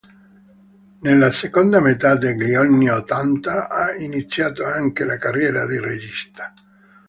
Nella seconda metà degli anni ottanta, ha iniziato anche la carriera di regista.